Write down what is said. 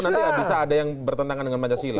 walaupun nanti bisa ada yang bertentangan dengan majasilah